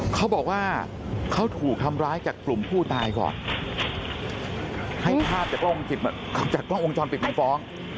เขาบอกว่าเขาถูกทำร้ายจากกลุ่มผู้ตายก่อนให้ภาพจากกล้องจากกล้องวงจรปิดของฟ้อง